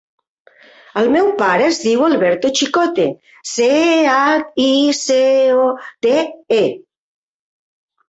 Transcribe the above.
El meu pare es diu Alberto Chicote: ce, hac, i, ce, o, te, e.